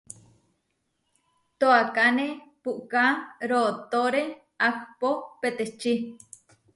Toákane puʼká rootóre ahpó peteči.